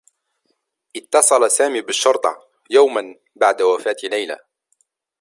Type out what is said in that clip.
اتّصل سامي بالشّرطة يوما بعد وفاة ليلى.